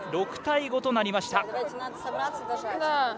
６対５となりました。